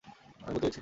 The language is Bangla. আমি বদলে গেছি।